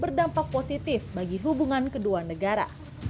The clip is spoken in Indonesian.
berdampak positif bagi hubungan kedua negara